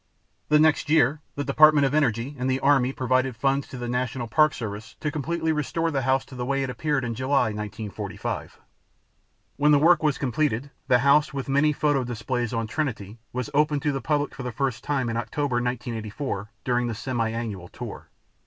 The next year, the Department of Energy and the Army provided funds for the National Park Service to completely restore the house to the way it appeared in July, 1945. When the work was completed, the house with many photo displays on Trinity was opened to the public for the first time in October 1984 during the semi annual tour.